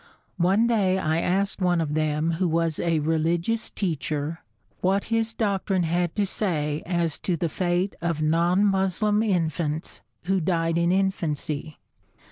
One day I asked one of them who was a religious teacher, what his doctrine had to say as to the fate of non Moslem infants who died in infancy.